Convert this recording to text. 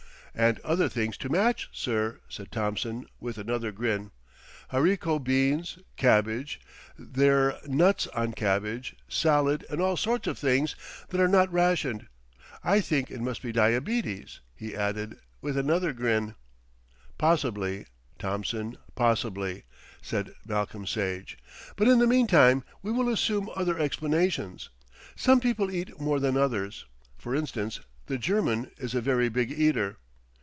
"And other things to match, sir," said Thompson with another grin. "Haricot beans, cabbage, they're nuts on cabbage, salad and all sorts of things that are not rationed. I think it must be diabetes," he added with another grin. "Possibly, Thompson, possibly," said Malcolm Sage; "but in the meantime we will assume other explanations. Some people eat more than others. For instance, the German is a very big eater."